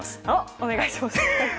お願いします。